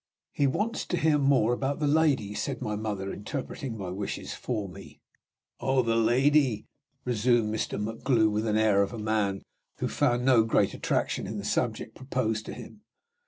"He wants to hear more about the lady," said my mother, interpreting my wishes for me. "Oh, the lady," resumed Mr. MacGlue, with the air of a man who found no great attraction in the subject proposed to him.